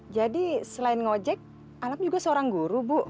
jadi selain ngojek alam juga seorang guru bu